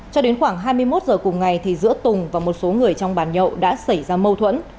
cho đến khoảng hai mươi một h cùng ngày giữa tùng và một số người trong bàn nhậu đã xảy ra mâu thuẫn